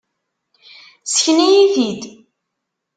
Sken-iyi-t-id.